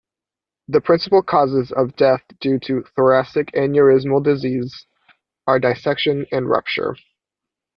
The principal causes of death due to thoracic aneurysmal disease are dissection and rupture.